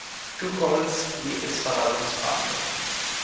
Tucholski ist Verwaltungsbeamter.